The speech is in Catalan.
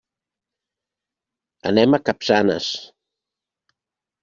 Anem a Capçanes.